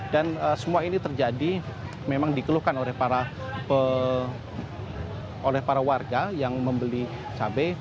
dan semua ini terjadi memang dikeluhkan oleh para warga yang membeli cabai